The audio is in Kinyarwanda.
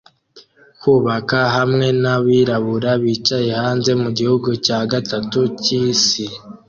Kubaka hamwe nabirabura bicaye hanze mugihugu cya gatatu cyisi